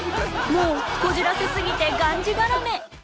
もうこじらせすぎてがんじがらめ